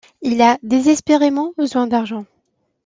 Il a désespérément besoin d'argent.